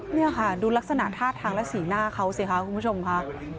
นี่ค่ะดูลักษณะท่าทางและสีหน้าเขาสิคะคุณผู้ชมค่ะ